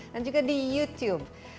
dan juga di youtube